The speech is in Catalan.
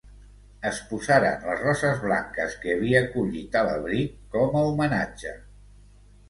Es posaren les roses blanques que havien collit a l'abric com a homenatge.